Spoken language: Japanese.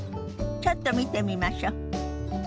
ちょっと見てみましょ。